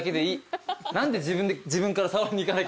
何で自分から触りにいかなきゃいけないの。